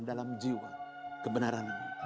dan menangkan kebenaranmu